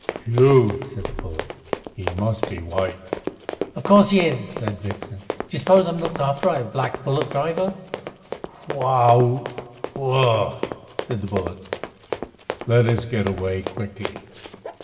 "Phew!" said the bullocks. "He must be white!" "Of course he is," said Vixen. "Do you suppose I'm looked after by a black bullock driver?" "Huah! Ouach! Ugh!" said the bullocks. "Let us get away quickly."